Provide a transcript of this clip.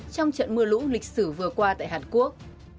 trong trận mưa lũ lịch sử vừa qua tại hàn quốc